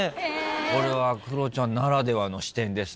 これはクロちゃんならではの視点ですね。